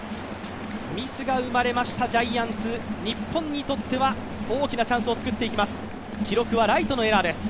ミスが生まれましたジャイアンツ、日本にとっては大きなチャンスを作っていきます。